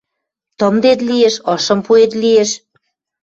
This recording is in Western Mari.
Тымдет лиэш, ышым пуэт лиэш.